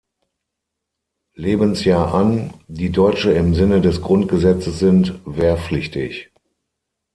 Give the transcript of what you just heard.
Lebensjahr an, die Deutsche im Sinne des Grundgesetzes sind, wehrpflichtig.